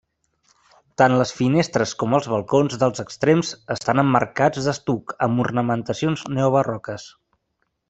Tant les finestres com els balcons dels extrems estan emmarcats d'estuc amb ornamentacions neobarroques.